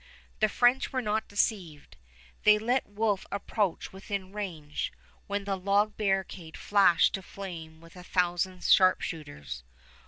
The French were not deceived. They let Wolfe approach within range, when the log barricade flashed to flame with a thousand sharpshooters.